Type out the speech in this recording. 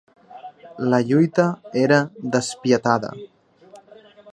La lluita era despietada.